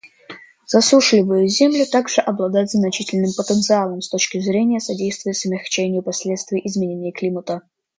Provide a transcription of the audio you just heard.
Засушливые земли также обладают значительным потенциалом с точки зрения содействия смягчению последствий изменения климата.